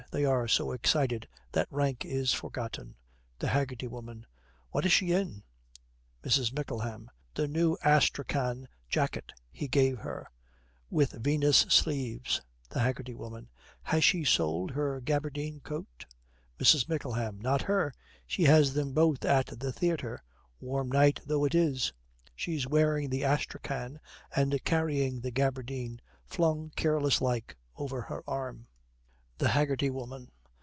They are so excited that rank is forgotten. THE HAGGERTY WOMAN. 'What is she in?' MRS. MICKLEHAM. 'A new astrakhan jacket he gave her, with Venus sleeves.' THE HAGGERTY WOMAN. 'Has she sold her gabardine coat?' MRS. MICKLEHAM. 'Not her! She has them both at the theatre, warm night though it is. She's wearing the astrakhan, and carrying the gabardine, flung careless like over her arm.' THE HAGGERTY WOMAN.